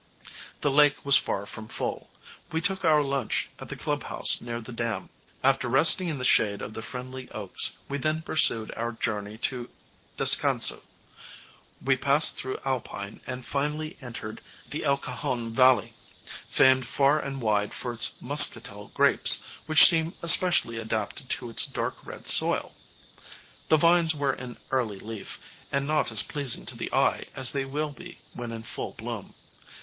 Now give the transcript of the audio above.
The lake was far from full. We took our lunch at the clubhouse near the dam. After resting in the shade of the friendly oaks we then pursued our journey to Descanso. We passed through Alpine and finally entered the El Cajon Valley, famed far and wide for its muscatel grapes, which seem especially adapted to its dark red soil. The vines were in early leaf, and not as pleasing to the eye as they will be when in full bloom.